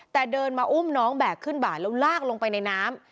แต่เดินมาอุ้มน้องแบกขึ้นบ่าแล้วลากลงไปในน้ำ